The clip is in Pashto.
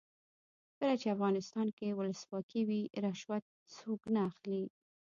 کله چې افغانستان کې ولسواکي وي رشوت څوک نه اخلي.